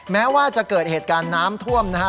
แม้ว่าจะเกิดเหตุการณ์น้ำท่วมนะฮะ